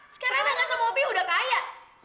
sekarang tangga se mobi udah kaya